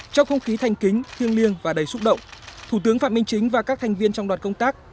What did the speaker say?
trong không khí thanh kính thiêng liêng và đầy xúc động thủ tướng phạm minh chính và các thành viên trong đoàn công tác